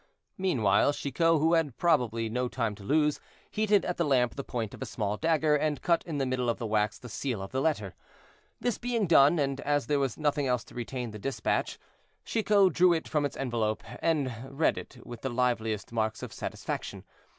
Meanwhile Chicot, who probably had no time to lose, heated at the lamp the point of a small dagger, and cut in the middle of the wax the seal of the letter. This being done, and as there was nothing else to retain the dispatch, Chicot drew it from its envelope, and read it with the liveliest marks of satisfaction.